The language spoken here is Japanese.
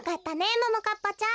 ももかっぱちゃん。